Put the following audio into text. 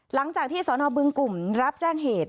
หลังจากที่สนบึงกลุ่มรับแจ้งเหตุ